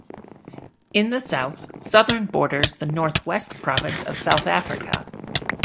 In the south, Southern borders the North West Province of South Africa.